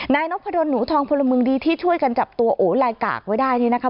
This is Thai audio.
นายนพดลหนูทองพลเมืองดีที่ช่วยกันจับตัวโอลายกากไว้ได้นี่นะคะ